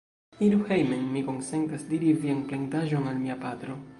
Iru hejmen: mi konsentas diri vian plendaĵon al mia patro!